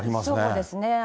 そうですね。